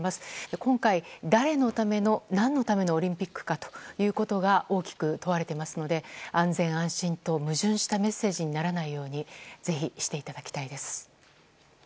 今回、誰のための、何のためのオリンピックかということが大きく問われてますので安全・安心と矛盾したメッセージにならないようにぜひしていただきたいです。